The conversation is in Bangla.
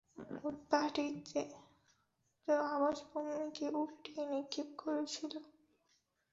উৎপাটিত আবাসভূমিকে উল্টিয়ে নিক্ষেপ করেছিলেন।